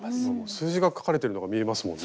数字が書かれてるのが見えますもんね。